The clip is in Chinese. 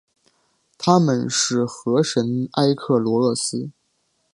她们是河神埃克罗厄斯。